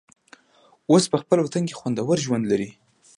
اوس په خپل وطن کې خوندور ژوند لري.